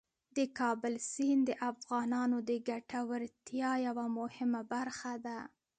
د کابل سیند د افغانانو د ګټورتیا یوه مهمه برخه ده.